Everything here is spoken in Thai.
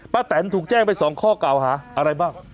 แตนถูกแจ้งไป๒ข้อกล่าวหาอะไรบ้าง